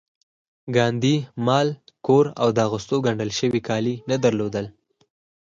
ګاندي مال او کور او د اغوستو ګنډل شوي کالي نه درلودل